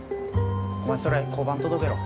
お前それ交番届けろ。